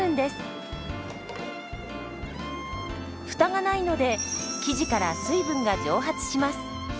フタがないので生地から水分が蒸発します。